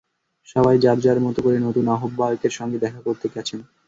সবাই যাঁর যাঁর মতো করে নতুন আহ্বায়কের সঙ্গে দেখা করতে গেছেন।